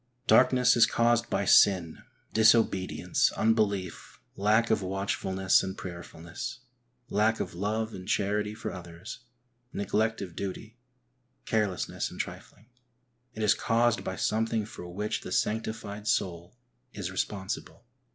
Darkness is caused by sin ; disobedience, unbelief, lack of watchful ness and prayerfulness, lack of love and charity for others, neglect of duty, carelessness and trifling. It is caused by something for which the sanctified soul is responsible.